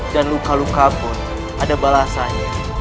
dan luka lukapun ada balasannya